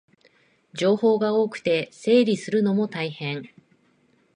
情報が多くて整理するのも大変